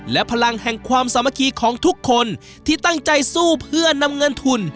และพลังแห่งความสามัคคีของทุกคนที่ตั้งใจสู้เพื่อนำเงินทุน